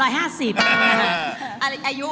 อายุเหรอคะ